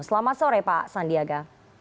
selamat sore pak sandiaga